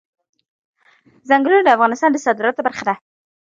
ځنګلونه د افغانستان د صادراتو برخه ده.